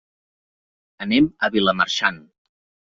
Anem a Vilamarxant.